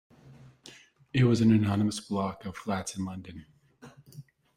It was an anonymous block of flats in London